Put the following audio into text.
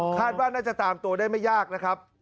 คาดว่าน่าจะตามตัวได้ไม่ยากนะครับ